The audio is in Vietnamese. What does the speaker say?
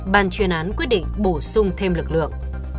ban chuyên án quyết định bổ sung thêm lực lượng